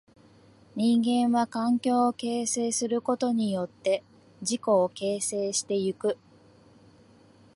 人間は環境を形成することによって自己を形成してゆく。